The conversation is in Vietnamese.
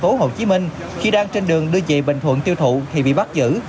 của hồ chí minh khi đang trên đường đưa dị bệnh thuận tiêu thụ thì bị bắt giữ